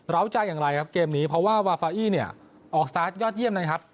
เราจะอย่างไรเกมนี้เพราะว่าวาฟาอี้ออกสตาร์ทยอดเยี่ยม